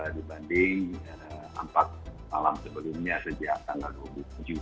dibanding empat malam sebelumnya sejak tanggal dua puluh tujuh